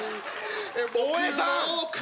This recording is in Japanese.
大江さん！